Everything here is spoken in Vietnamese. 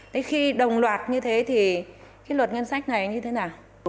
thế khi đồng loạt như thế thì cái luật ngân sách này như thế nào